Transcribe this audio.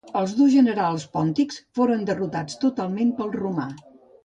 Els dos generals pòntics foren derrotats totalment pel romà.